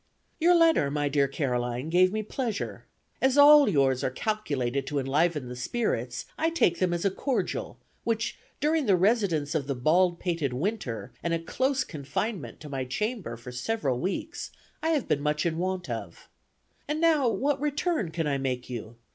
"Your letter, my dear Caroline, gave me pleasure. As all yours are calculated to enliven the spirits, I take them as a cordial, which during the residence of the bald pated winter and a close confinement to my chamber for several weeks, I have been much in want of. And now what return can I make you?